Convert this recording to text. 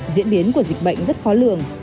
diễn biến của dịch bệnh rất khó lường